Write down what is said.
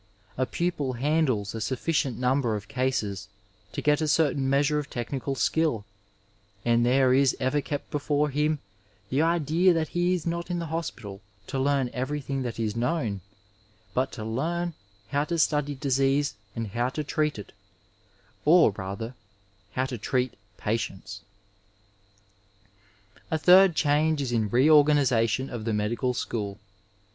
The pupil handles a sufficient number of cases to get a certain measure of technical skill, and there is ever kept before him the idea that lie is not in the hospital to learn everything that is known but to learn how to study disease and how to treat it, or rather, how to treat patients. HI A third change is in reorganization of the medical school.